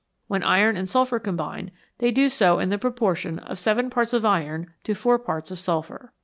When iron and sulphur combine, they do so in the proportion of seven parts of iron to four parts of sulphur.